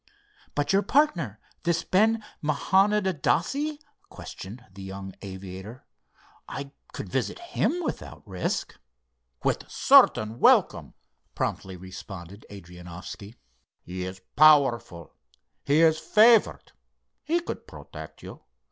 "But your partner, this Ben Mahanond Adasse?" questioned the young aviator, "I could visit him without risk?" "With certain welcome," promptly responded Adrianoffski. "He is powerful, he is favored. He could protect you.